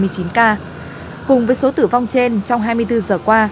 cùng với số tử vong trên trong hai mươi bốn giờ qua